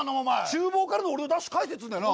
厨房からの俺のダッシュ返せっつうんだよな。